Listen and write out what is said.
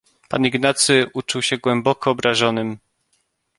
"Pan Ignacy uczuł się głęboko obrażonym."